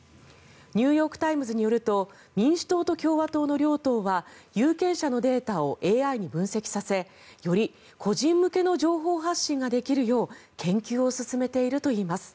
ニューヨーク・タイムズによると民主党と共和党の両党は有権者のデータをＡＩに分析させより個人向けの情報発信ができるよう研究を進めているといいます。